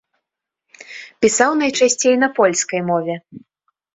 Пісаў найчасцей на польскай мове.